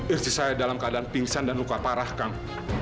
istri saya dalam keadaan pingsan dan luka parah kang